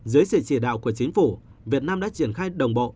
dưới sự chỉ đạo của chính phủ việt nam đã triển khai đồng bộ